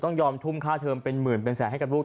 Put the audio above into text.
ต้องยอมทุ่มค่าเทอมเป็นหมื่นเป็นแสนให้กับลูก